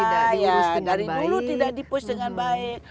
dari dulu tidak dipus dengan baik